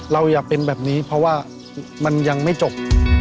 อย่าเป็นแบบนี้เพราะว่ามันยังไม่จบ